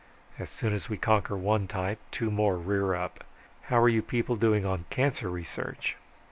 As soon as we conquer one type two more rear up. How are you people doing on cancer research?"